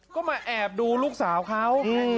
ก็มาแอบดูลูกสาวเขา